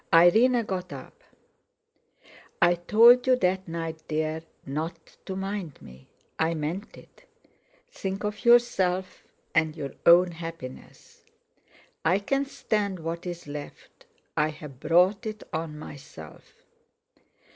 Irene got up. "I told you that night, dear, not to mind me. I meant it. Think of yourself and your own happiness! I can stand what's left—I've brought it on myself."